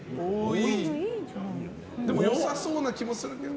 でも良さそうな気もするけど。